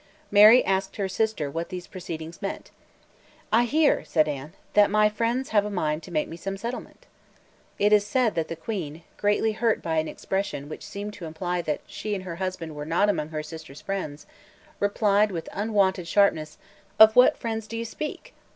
Mary asked her sister what these proceedings meant. "I hear," said Anne, "that my friends have a mind to make me some settlement." It is said that the Queen, greatly hurt by an expression which seemed to imply that she and her husband were not among her sister's friends, replied with unwonted sharpness, "Of what friends do you speak?